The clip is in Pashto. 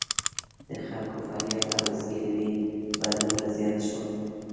د خلکو فریاد او زګېروي به دومره زیات شول.